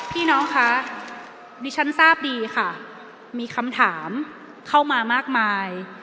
พี่น้องคะดิฉันทราบดีค่ะมีคำถามเข้ามามากมาย